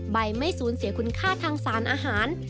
ไม่สูญเสียคุณค่าทางสารอาหาร